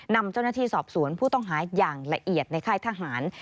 นำเจ้าหน้าที่สอบสวนผู้ต้องหาอย่างละเอียดในค่ายทหาร